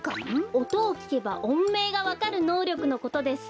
おとをきけばおんめいがわかるのうりょくのことです。